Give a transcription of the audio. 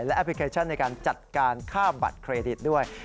และแอปพลิเคชันในการจัดการค่าบัตรเครดิตด้วย